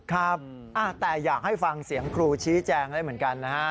ครับแต่อยากให้ฟังเสียงครูชี้แจงได้เหมือนกันนะฮะ